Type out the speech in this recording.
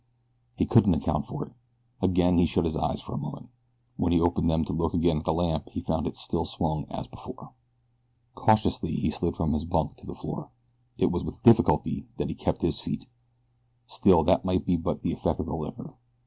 He couldn't account for it. Again he shut his eyes for a moment. When he opened them to look again at the lamp he found it still swung as before. Cautiously he slid from his bunk to the floor. It was with difficulty that he kept his feet. Still that might be but the effects of the liquor.